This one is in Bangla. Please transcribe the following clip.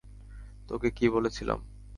তোকে কী বলে ছিলাম?